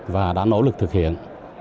và đã nỗ lực thực hiện